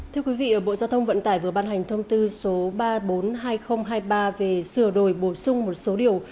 thưa quý vị bộ giao thông vận tải vừa ban hành thông tư số ba trăm bốn mươi hai nghìn hai mươi ba về sửa đổi bổ sung một số điều